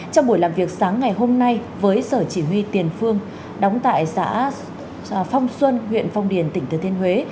trong buổi làm việc sáng ngày hôm nay với sở chỉ huy tiền phương đóng tại xã phong xuân huyện phong điền tỉnh thừa thiên huế